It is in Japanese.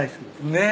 ねえ。